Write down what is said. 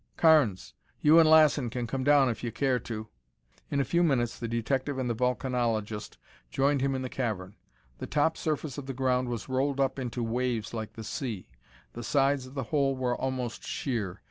"Carnes, you and Lassen can come down if you care to." In a few minutes the detective and the volcanologist joined him in the cavern. The top surface of the ground was rolled up into waves like the sea. The sides of the hole were almost sheer.